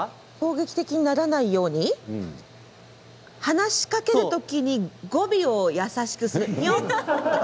攻撃的にならないように話しかけるときに語尾を優しくする。